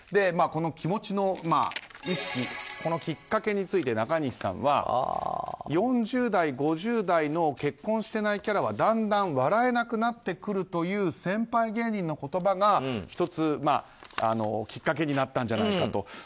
この気持ちのきっかけについて中西さんは４０代５０代の結婚してないキャラはだんだん笑えなくなってくるという先輩芸人の言葉がきっかけになったんじゃないかと。